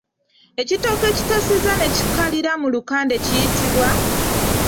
Ekitooke ekitassizza ne kikalira mu lukande kiyitibwa?